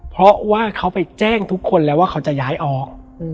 เพราะว่าเขาไปแจ้งทุกคนแล้วว่าเขาจะย้ายออก